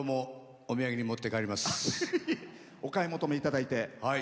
お買い求めいただいて。